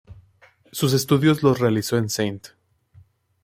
Sus estudios los realizó en St.